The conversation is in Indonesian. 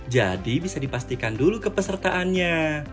jadi bisa dipastikan dulu kepesertaannya